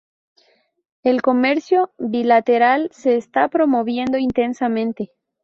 El comercio bilateral se está promoviendo intensamente.